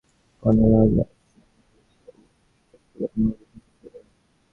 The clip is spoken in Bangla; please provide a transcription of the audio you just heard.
তিন ভাইয়ে পাঁচ হাজার করিয়া পনেরো হাজার সৈন্য লইয়া চট্টগ্রাম অভিমুখে চলিলেন।